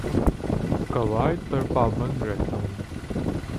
قوائد پر پابند رہتا ہوں